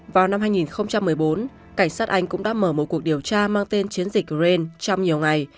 vào năm hai nghìn một mươi bốn cảnh sát anh cũng đã mở một cuộc điều tra mang tên chiến dịch green trong nhiều ngày